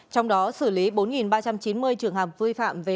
trong đó xử lý bốn ba trăm chín mươi trường hợp vi phạm